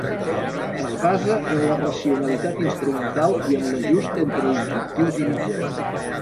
Es basa en la racionalitat instrumental i en l'ajust entre objectius i mitjans.